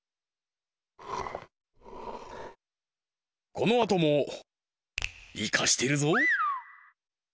このあともイカしてるぞ！